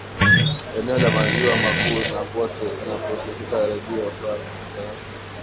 eneo la maziwa makuu na kwote inaposikika redio france international